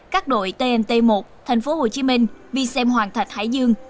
các đội tnt một thành phố hồ chí minh vi xem hoàng thạch hải dương